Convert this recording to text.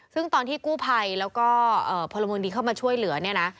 ซึ่งตอนที่กู้ภัยแล้วก็พลเมืองดีเข้ามาช่วยเหลือเนี่ยนะ